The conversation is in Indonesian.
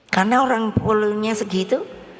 karena orang pulau nya segitu